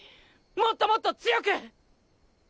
もっともっと強く！